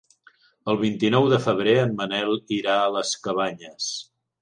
El vint-i-nou de febrer en Manel irà a les Cabanyes.